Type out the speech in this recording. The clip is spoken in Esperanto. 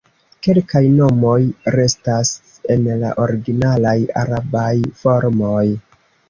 Kelkaj nomoj restas en la originalaj arabaj formoj.